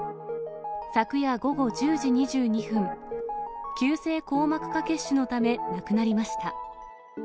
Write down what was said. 昨夜午後１０時２２分、急性硬膜下血腫のため亡くなりました。